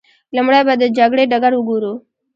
لومړی به د جګړې ډګر وګورو.